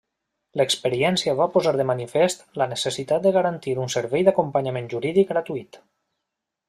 L'experiència va posar de manifest la necessitat de garantir un servei d'acompanyament jurídic gratuït.